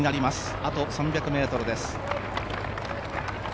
あと３００ｍです。